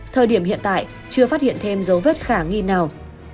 thời điểm hiện tại chưa phát hiện thêm dấu vết khả nghi nào